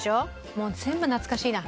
もう全部懐かしいな。